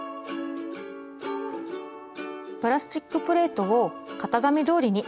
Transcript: プラスチックプレートを型紙どおりにカットします。